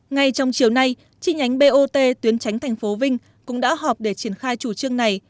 ngay trong chiều nay chi nhánh bot tuyến tránh thành phố vinh cũng đã họp để triển khai chủ trương này